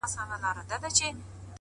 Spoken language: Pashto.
ستړى په گډا سومه ;چي; ستا سومه;